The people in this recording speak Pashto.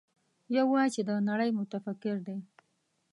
يو وايي چې د نړۍ متفکر دی.